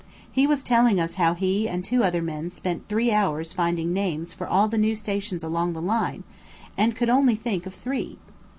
He was telling us how he and two other men spent three hours finding names for all the new stations along the line, and could only think of three!